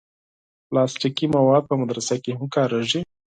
پلاستيکي مواد په مدرسه کې هم کارېږي.